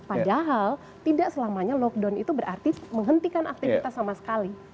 padahal tidak selamanya lockdown itu berarti menghentikan aktivitas sama sekali